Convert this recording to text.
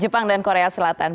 jepang dan korea selatan